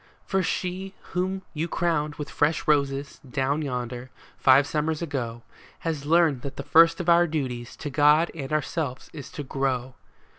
For she whom you crowned with fresh roses, down yonder, five summers ago, Has learned that the first of our duties to God and our selves is to grow.